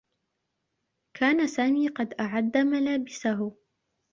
كان سامي قد أعدّ ملابسه.